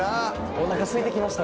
お腹すいてきました